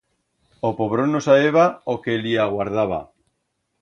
O pobrón no sabeba o que li aguardaba.